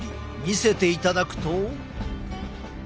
見せていただくと。